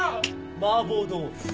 「麻婆豆腐」。